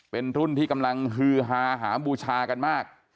เป็นรุ่นที่กำลังฮือฮาหามบูชากันมาก